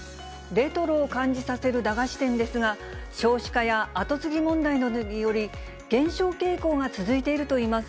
レトロを感じさせる駄菓子店ですが、少子化や後継ぎ問題などにより、減少傾向が続いているといいます。